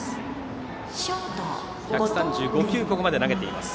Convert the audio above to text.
１３５球、ここまで投げています。